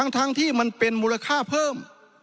ทั้งที่มันเป็นมูลค่าเพิ่ม